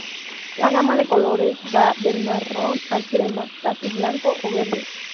La gama de colores va del marrón al crema, casi blanco o verde.